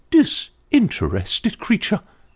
" Disinterested creature !